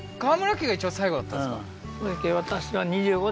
家が一番最後だったんですか？